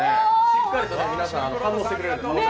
しっかりと皆さん反応してくれてます。